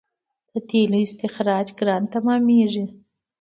د تیلو استخراج ګران تمامېږي.